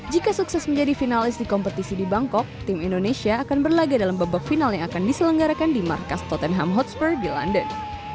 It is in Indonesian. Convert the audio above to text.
jika sukses menjadi finalis di kompetisi di bangkok tim indonesia akan berlaga dalam babak final yang akan diselenggarakan di markas tottenham hotspur di london